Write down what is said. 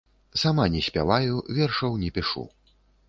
Сама не спяваю і вершаў не пішу.